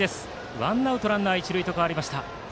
ワンアウトランナー、一塁と変わりました。